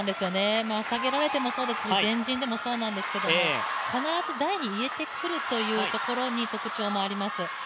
下げられてもそうですし、前陣でもそうですけど必ず台に入れてくるというところに特徴があります。